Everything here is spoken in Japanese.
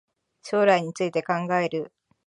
将来について考える